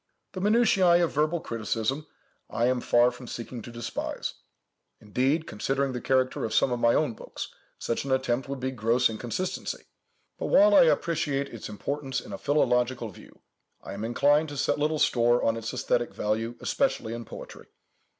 The minutiæ of verbal criticism I am far from seeking to despise. Indeed, considering the character of some of my own books, such an attempt would be gross inconsistency. But, while I appreciate its importance in a philological view, I am inclined to set little store on its æsthetic value, especially in poetry.